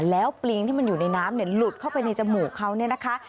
แล้วปลิงที่มันอยู่ในน้ำหลุดเข้าไปในจมูกเขาเนี่ยนะคะ